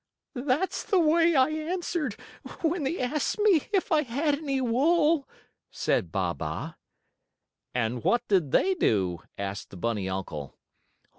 "That's the way I answered when they asked me if I had any wool," said Baa baa. "And what did they do?" asked the bunny uncle.